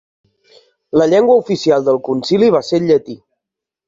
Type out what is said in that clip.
La llengua oficial del concili va ser el llatí.